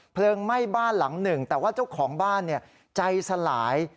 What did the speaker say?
ไหม้บ้านหลังหนึ่งแต่ว่าเจ้าของบ้านใจสลาย